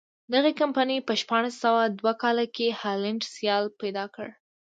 دغې کمپنۍ په شپاړس سوه دوه کال کې هالنډی سیال پیدا کړ.